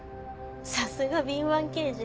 さすが敏腕刑事。